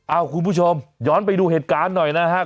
คุณผู้ชมย้อนไปดูเหตุการณ์หน่อยนะครับ